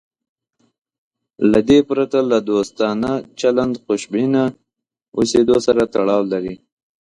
له دې پرته له دوستانه چلند خوشبینه اوسېدو سره تړاو لري.